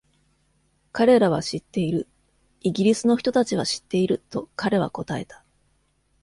「彼らは知っている」―「イギリスの人たちは知っている」と彼は答えた。